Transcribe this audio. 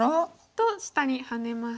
と下にハネます。